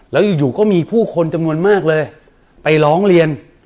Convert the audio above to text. แล้วอยู่ก็มีผู้คนจำนวนมากเลยไปร้องเรียน